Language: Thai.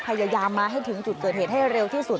พยายามมาให้ถึงจุดเกิดเหตุให้เร็วที่สุด